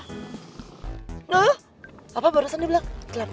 hah apa barusan dia bilang delapan puluh